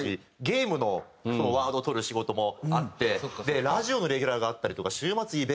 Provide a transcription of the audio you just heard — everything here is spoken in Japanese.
ゲームのワードをとる仕事もあってラジオのレギュラーがあったりとか週末イベント出てとか。